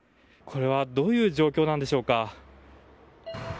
これはどういう状況なんでしょうか。